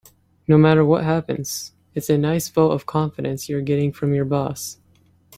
No matter what happens, it's a nice vote of confidence you're getting from your boss.